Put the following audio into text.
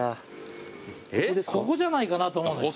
ここじゃないかなと思うんだけど。